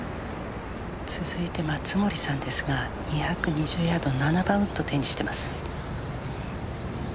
続いて松森さんですが２２０ヤード７番ウッドを手にしています。